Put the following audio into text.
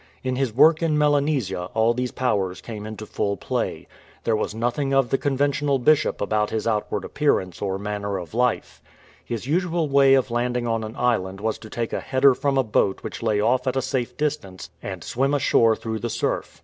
In his work in Melanesia all these powers came into full play. There was nothing of the conventional bishop about his outward 8 273 SELWYN'S WORK IN MELANESIA appearance or maimer of life. His usual way of landing on an island was to take a header from a boat which lay off at a safe distance, and swim ashore through the surf.